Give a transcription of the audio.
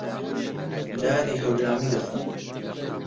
نانی هەورامی دەخۆم.